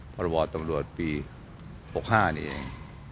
พรบตำรวจปี๖๕นี่เอง